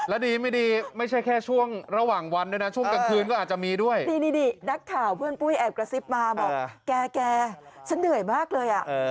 อ่าชั้นเหนื่อยมากเลย